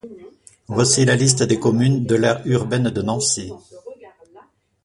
Voici la liste des communes de l'aire urbaine de Nancy.